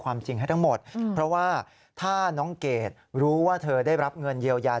ความจริงให้ทั้งหมดเพราะว่าถ้าน้องเกดรู้ว่าเธอได้รับเงินเยียวยา